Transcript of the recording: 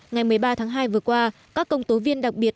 ngày một mươi ba tháng hai vừa qua các công tố viên đặc biệt